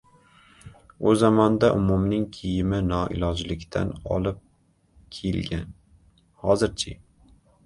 U zamonda umumning kiyimi noilojlikdan olib kiyilgan. Hozir-chi?